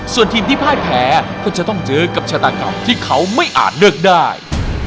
ส่วนทีมที่พ่ายแพ้ก็จะต้องเจอกับชะตากรรมที่เขาไม่อาจเลือกได้